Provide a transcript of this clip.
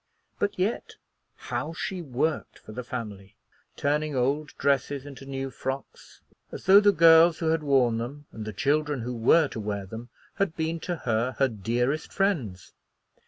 But yet how she worked for the family! turning old dresses into new frocks, as though the girls who had worn them, and the children who were to wear them, had been to her her dearest friends.